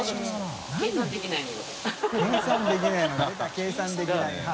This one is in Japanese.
計算できない派。